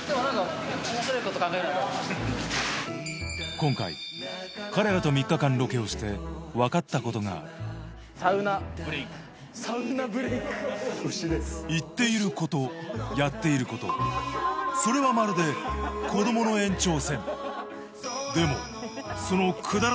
今回彼らと３日間ロケをして分かったことがある言っていることやっていることそれはまるででもその・３・２・１・・うおっ！